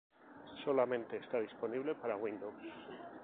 Solamente está disponible para Windows.